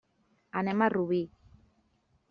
Anem a Rubí.